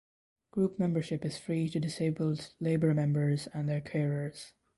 Group membership is free to disabled Labour members and their carers.